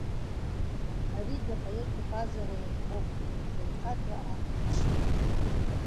Аригь апоет иҟазара иазҳәоуп, ибаҩхатәра аанарԥшуеит.